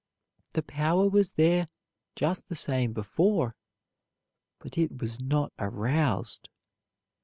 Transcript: The power was there just the same before, but it was not aroused.